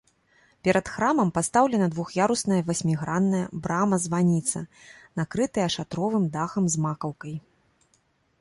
Перад храмам пастаўлена двух'ярусная васьмігранная брама-званіца, накрытая шатровым дахам з макаўкай.